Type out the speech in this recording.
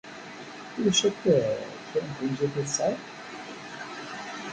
Ulac akk kra n tlemmiẓt ay tesɛid.